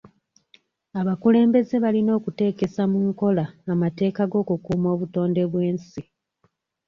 Abakulembeze balina okuteekesa mu nkola amateeka g'okukuuma obutonde bw'ensi.